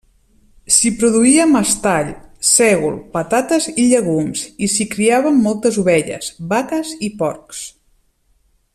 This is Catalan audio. S'hi produïa mestall, sègol, patates i llegums, i s'hi criaven moltes ovelles, vaques i porcs.